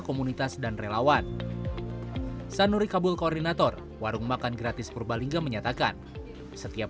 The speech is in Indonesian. komunitas dan relawan sanury kabul koordinator warung makan gratis purbalingga menyatakan setiap